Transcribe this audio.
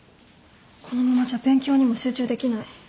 このままじゃ勉強にも集中できない。